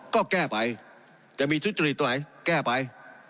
ก็แก้ไปจะมีทุจริตตัวไหนแก้ไป